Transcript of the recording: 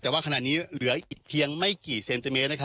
แต่ว่าขนาดนี้เหลือเพียงไม่กี่เซนติเมตรนะครับ